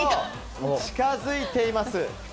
近づいています。